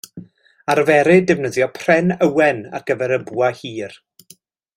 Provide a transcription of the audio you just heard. Arferid defnyddio pren ywen ar gyfer y bwa hir.